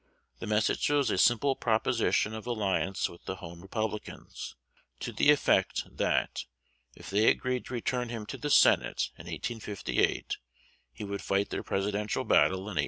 The message was a simple proposition of alliance with the home Republicans, to the effect, that, if they agreed to return him to the Senate in 1858, he would fight their Presidential battle in 1860.